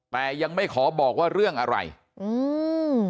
แต่ยังไม่ขอบอกว่าเรื่องอะไรอืม